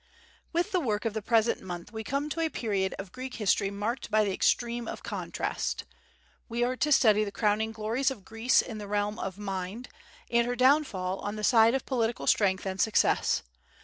With the work of the present month we come to a period of Greek history marked by the extreme of contrast. We are to study the crowning glories of Greece in the realm of mind, and her downfall on the side of political strength and success.